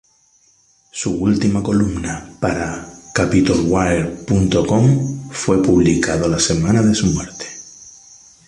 Su última columna para Capitolwire.com fue publicado la semana de su muerte.